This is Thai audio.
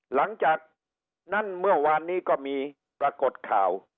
หลังจากนั้นเมื่อวานนี้ก็มีปรากฏข่าว